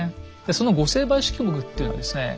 その御成敗式目っていうのはですね